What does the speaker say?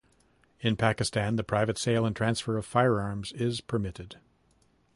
In Pakistan, the private sale and transfer of firearms is permitted.